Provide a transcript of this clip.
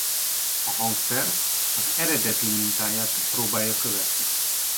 A hangszer az eredeti mintáját próbálja követni.